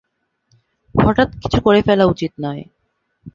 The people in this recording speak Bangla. হঠাৎ কিছু করে ফেলা উচিত নয়।